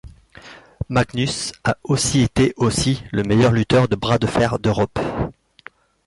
Magnus a aussi été aussi le meilleur lutteur de bras de fer d'Europe.